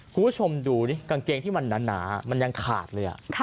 คุณผู้ชมดูดิกางเกงที่มันหนามันยังขาดเลย